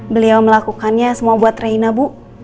beliau melakukannya semua buat reina bu